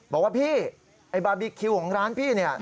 บอกว่าพี่บาร์บีคิวของร้านพี่